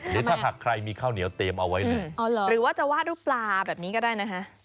เดี๋ยวถ้าถักใครมีข้าวเหนียวเต็มเอาไว้นะอ๋อเหรอหรือว่าจะวาดรูปลาแบบนี้ก็ได้นะฮะ